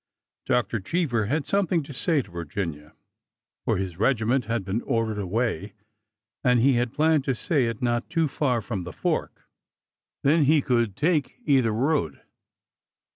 Dr. Cheever had something to say to Virginia, for his regiment had been ordered away, and he had planned to say it not too far from the fork. Then he could take either road.